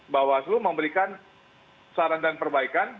bawaslu memberikan saran dan perbaikan